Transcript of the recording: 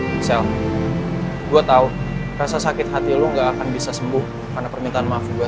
misal gue tahu rasa sakit hati lu gak akan bisa sembuh karena permintaan maaf gue